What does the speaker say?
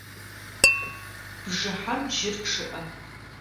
Бжыхьэм жьыр чъыӏэ.